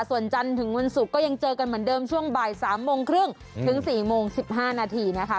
ส่วนจันทร์ถึงวันศุกร์ก็ยังเจอกันเหมือนเดิมช่วงบ่าย๓โมงครึ่งถึง๔โมง๑๕นาทีนะคะ